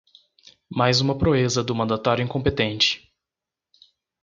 Mais uma proeza do mandatário incompetente